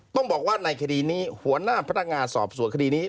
ต้องบอกว่าในคดีนี้หัวหน้าพนักงานสอบสวนคดีนี้